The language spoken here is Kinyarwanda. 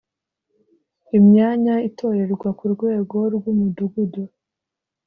Imyanya itorerwa ku rwego rw umudugudu